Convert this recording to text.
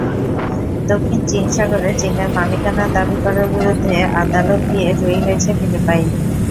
দক্ষিণ চীন সাগরে চীনের মালিকানা দাবি করার বিরুদ্ধে আদালতে গিয়ে জয়ী হয়েছে ফিলিপাইন।